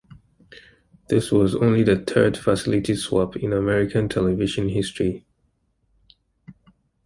This was only the third facility swap in American television history.